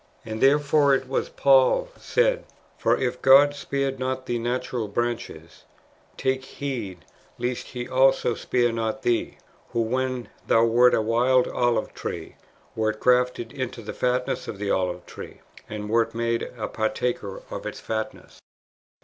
And therefore it was that Paul said, " For if [God] spared not the natural branches, [take heed] lest He also spare not thee, who, when thou wert a wild olive tree, wert grafted into the fatness of the olive tree, and wert made a partaker of its fatness."